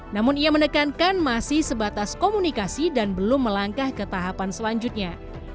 namun ia menekankan masih sebatas komunikasi dan belum melangkah ke tahapan selanjutnya